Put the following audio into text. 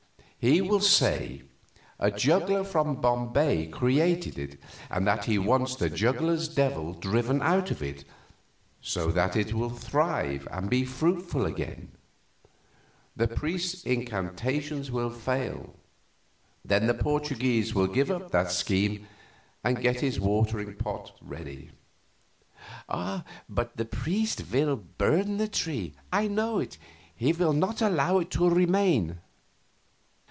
He will say a juggler from Bombay created it, and that he wants the juggler's devil driven out of it, so that it will thrive and be fruitful again. The priest's incantations will fail; then the Portuguese will give up that scheme and get his watering pot ready." "But the priest will burn the tree. I know it; he will not allow it to remain."